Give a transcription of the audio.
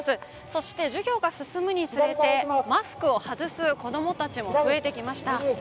そして授業が進むにつれて、マスクを外す子供たちも増えてきました。